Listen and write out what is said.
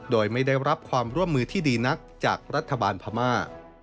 โดยไม่ได้รับความร่วมมือที่ดีนักจากรัฐบาลพม่า